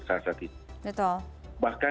saat saat ini bahkan